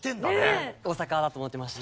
大阪だと思ってました。